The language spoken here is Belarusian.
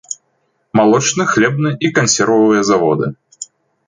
Малочны, хлебны і кансервавыя заводы.